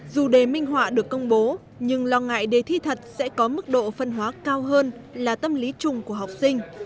dù đề minh họa được công bố nhưng lo ngại đề thi thật sẽ có mức độ phân hóa cao hơn là tâm lý trùng của học sinh